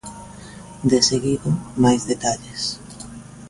Deseguido, máis detalles.